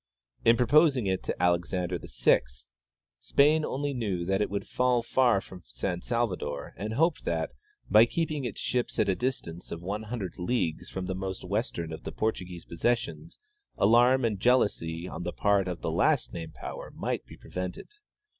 In proposing it to Alexander VI, Spain only knew that it would fall far from San Salvador and hoped that, by keeping its ships at a distance of one hundred leagues from the most western of the Portuguese possessions, alarm and jealousy on the part of the last named power might be prevented.